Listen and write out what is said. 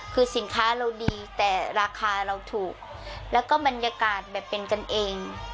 คือสินค้าเราดีแต่ราคาเราถูกแล้วก็บรรยากาศแบบเป็นกันเอง